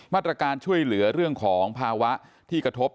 มาตรการช่วยเหลือเรื่องของภาวะที่กระทบ